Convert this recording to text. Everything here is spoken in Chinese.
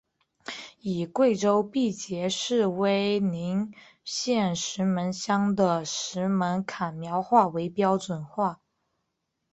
以贵州毕节市威宁县石门乡的石门坎苗话为标准音。